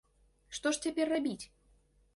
Што ж цяпер рабіць?